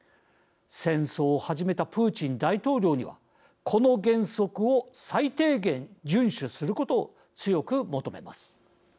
戦争を始めたプーチン大統領にはこの原則を最低限順守することを強く求めます。